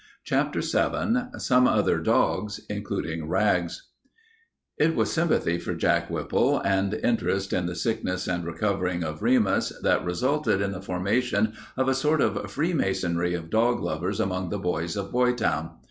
CHAPTER VII SOME OTHER DOGS, INCLUDING RAGS It was sympathy for Jack Whipple and interest in the sickness and recovery of Remus that resulted in the formation of a sort of freemasonry of dog lovers among the boys of Boy town.